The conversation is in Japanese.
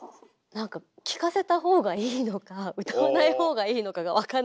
何か聴かせた方がいいのか歌わない方がいいのかがわかんなくて。